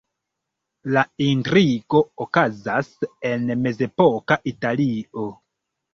La intrigo okazas en mezepoka Italio.